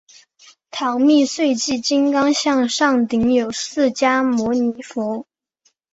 唐密秽迹金刚像上顶有释迦牟尼佛。